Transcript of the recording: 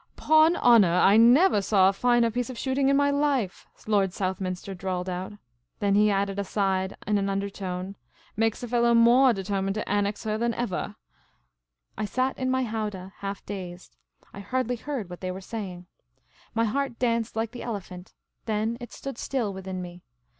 " 'Pon honah, I nevah saw a finah piece of shooting in my life, '' Lord Southminster drawled out. Then he added aside, in an undertone, " Makes a fellow moah determined to annex her than evah !" I sat in my howdah, half dazed. I hardly heard what they were saying. My heart danced like the elephant. Then it stood still within me.